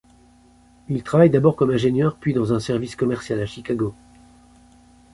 Il travaille d’abord comme ingénieur puis dans un service commercial à Chicago.